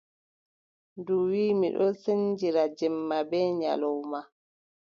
Ndu wii: mi ɗon sendindira jemma bee nyalawma.